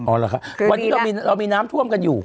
วันนี้เรามีน้ำท่วมกันอยู่